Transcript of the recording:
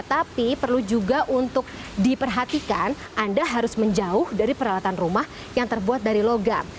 tapi perlu juga untuk diperhatikan anda harus menjauh dari peralatan rumah yang terbuat dari logam